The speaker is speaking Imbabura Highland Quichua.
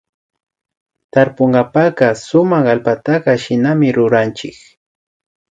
Tarpunkapak sumak allpataka shinami ruranchik